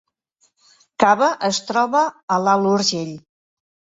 Cava es troba a l’Alt Urgell